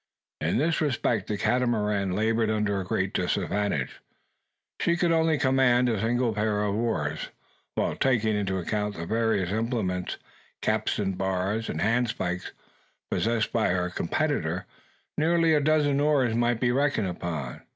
In this respect the Catamaran laboured under a great disadvantage, she could only command a single pair of oars; while, taking into account the various implements capstan bars and handspikes possessed by her competitor, nearly a dozen oars might be reckoned upon.